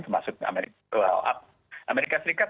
termasuk amerika serikat